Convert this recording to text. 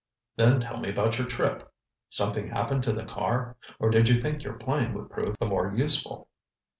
Then tell me about your trip. Something happen to the car? Or did you think your plane would prove the more useful?"